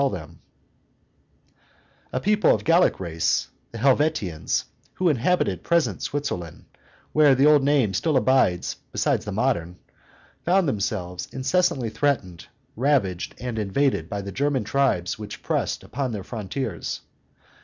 [Illustration: Divitiacus before the Roman Senate 63] A people of Gallic race, the Helvetians, who inhabited present Switzerland, where the old name still abides beside the modern, found themselves incessantly threatened, ravaged, and invaded by the German tribes which pressed upon their frontiers.